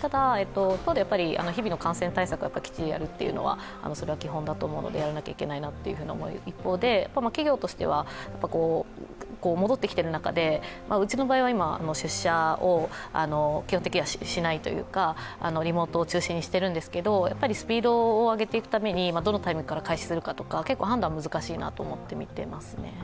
ただ、日々の感染対策はきっちりやるというのはそれは基本だと思うので、やらなきゃいけないと思う一方で企業としては戻ってきている中で、うちの場合は出社を基本的にはしないというかリモートを中心にしているんですがスピードを上げていくために、どのタイミングから開始するか、結構判断が難しいなと思って見ていますね。